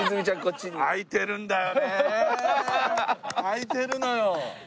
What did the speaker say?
空いてるのよ。